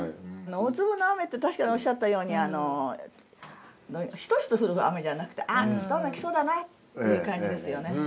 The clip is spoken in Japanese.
大粒の雨って確かにおっしゃったようにしとしと降る雨じゃなくてあっ来そうだ来そうだなっていう感じですよね。